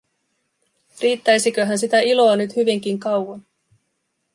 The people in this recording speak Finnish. Riittäisiköhän sitä iloa nyt hyvinkin kauan?